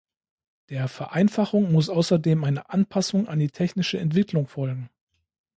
Der Vereinfachung muss außerdem eine Anpassung an die technische Entwicklung folgen.